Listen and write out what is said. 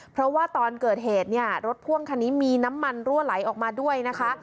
เพราะว่าตอนเกิดเหตุเนี่ยรถพ่วงคันนี้มีน้ำมันรั่วไหลออกมาด้วยนะคะ